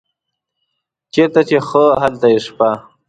چیرته چې ښه هلته یې شپه.